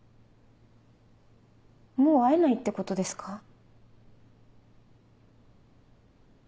もう会えないってことですか？